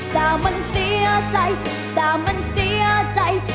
แต่มันเสียใจแต่มันเสียใจ